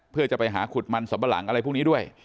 เพื่อจะไปหาขุดมันสัมปะหลังอะไรพวกนี้ด้วย